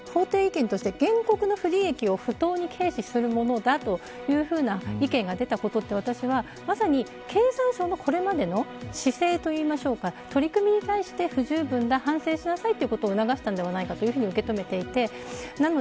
今回、法廷意見として原告の不利益を不当に軽視するものだというふうな意見が出たことは私は経産省のこれまでの姿勢と言いましょうか取り組みに対して、不十分な反省しなさいというふうに受け止めていて。